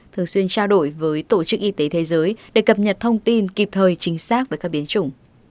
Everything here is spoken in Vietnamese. thường xuyên trao đổi với tổ chức y tế thế giới để cập nhật thông tin kịp thời chính xác với các biến chủng